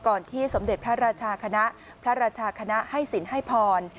ที่สมเด็จพระราชาคณะพระราชาคณะให้สินให้พร